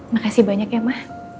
makasih banyak ya ma